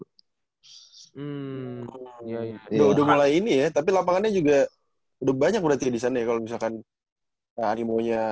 udah mulai ini ya tapi lapangannya juga udah banyak udah tiga di sana ya kalau misalkan animo nya